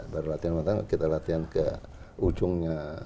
baru latihan di kalimantan kita latihan ke ujungnya